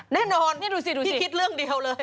แน่นอนนี่ดูสิพี่คิดเรื่องเดียวเลย